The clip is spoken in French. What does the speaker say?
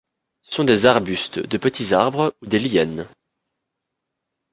Ce sont des arbustes, de petits arbres ou des lianes.